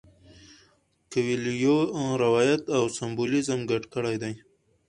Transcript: کویلیو روایت او سمبولیزم ګډ کړي دي.